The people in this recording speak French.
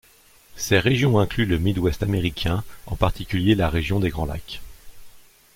Ces régions incluent le Midwest américain, en particulier la région des Grands Lacs.